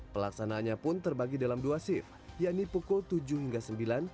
pelaksanaannya pun terbagi dalam dua shift yakni pukul tujuh hingga sembilan